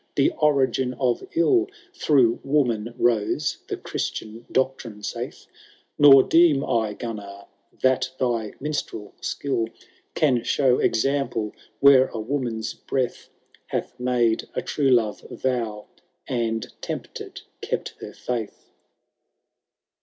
e origiii of ill Through woman rote, the Chiutian doctrine eaith ; Nor deem I Gimnar, that thy miniBtrel skill ^ Can show example where a woman^ breath Hath made a true love tow, and, tempted, kept her faith."